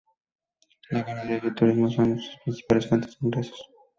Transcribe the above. La ganadería y el turismo son sus principales fuentes de ingresos.